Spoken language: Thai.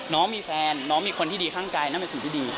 น้องมีแฟนน้องมีคนที่ดีข้างกายนั่นเป็นสิ่งที่ดี